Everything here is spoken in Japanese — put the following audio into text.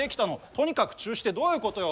とにかく中止ってどういうことよ。